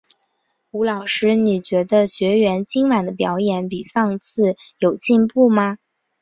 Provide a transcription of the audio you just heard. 吴老师，你觉得学员今晚的表演比上次有进步吗？